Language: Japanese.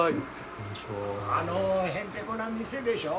・あのへんてこな店でしょ。